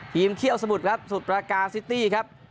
เคี่ยวสมุทรครับสุดประกาซิตี้ครับ